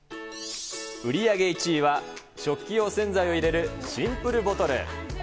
売り上げ１位は、食器用洗剤を入れるシンプルボトル。